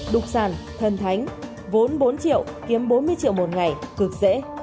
đục sản thân thánh vốn bốn triệu kiếm bốn mươi triệu một ngày cực dễ